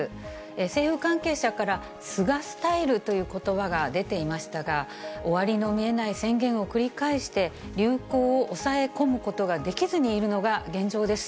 政府関係者から菅スタイルということばが出ていましたが、終わりのみえない宣言を繰り返して、流行を抑え込むことができずにいるのが現状です。